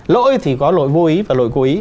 lỗi thì có lỗi vô ý và lỗi cố ý